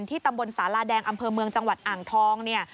ตำบลสาลาแดงอำเภอเมืองจังหวัดอ่างทองเนี่ย